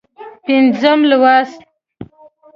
پينځم لوست